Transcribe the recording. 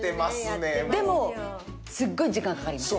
でもすごい時間かかります。